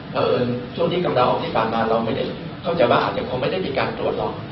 แต่เอิิญช่วงที่กำเดาออกาศกระจากปากมาเราไม่ได้เข้าใจว่าอาจจะคงไม่ได้ด้วยการตรวจหรอก